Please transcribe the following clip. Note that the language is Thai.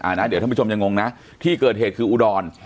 เดี๋ยวท่านผู้ชมยังงงนะที่เกิดเหตุคืออุดร